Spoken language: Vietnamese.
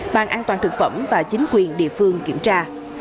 ban an toàn thực phẩm và chính quyền địa phương kiểm tra